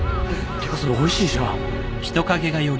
てかそれおいしいじゃん。